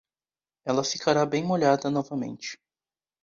Ela ficará bem molhada novamente.